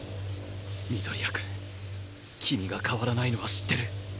緑谷くん君が変わらないのは知ってる。